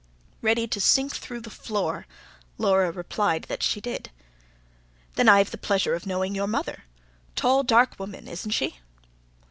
Ready to sink through the floor, Laura replied that she did. "Then I've the pleasure of knowing your mother. Tall dark woman, isn't she?"